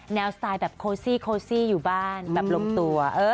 สไตล์แบบโคซี่โคซี่อยู่บ้านแบบลงตัว